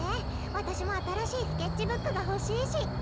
わたしもあたらしいスケッチブックがほしいし。